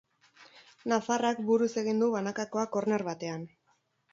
Nafarrak buruz egin du banakoa korner batean.